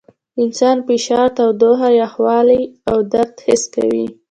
انسان فشار، تودوخه، یخوالي او درد حس کوي.